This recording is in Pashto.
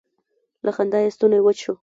له خندا یې ستونی وچ شو.